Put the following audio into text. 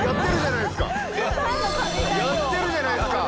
やってるじゃないですか！